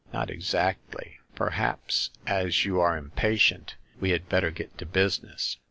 " Not exactly. Perhaps, as you are impatient, we had better get to business."